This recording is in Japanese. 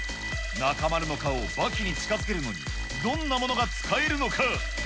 中丸の顔を刃牙に近づけるのに、どんなものが使えるのか。